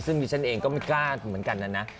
ซึ่งดิฉันเองก็ไม่กล้าเหมือนกันนะนะ